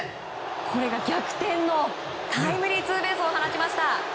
これが逆転のタイムリーツーベースを放ちました。